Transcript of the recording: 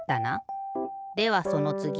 ではそのつぎ。